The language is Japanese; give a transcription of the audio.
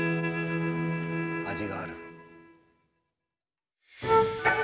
味がある。